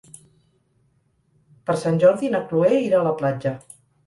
Per Sant Jordi na Cloè irà a la platja.